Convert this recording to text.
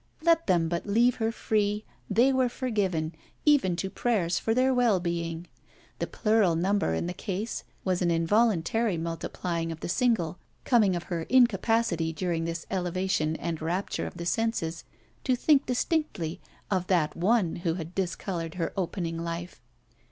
Let them but leave her free, they were forgiven, even to prayers for their well being! The plural number in the case was an involuntary multiplying of the single, coming of her incapacity during this elevation and rapture of the senses to think distinctly of that One who had discoloured her opening life.